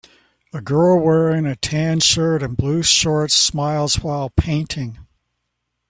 A girl wearing a tan shirt and blue shorts smiles while painting